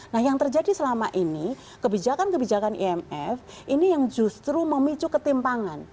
nah yang terjadi selama ini kebijakan kebijakan imf ini yang justru memicu ketimpangan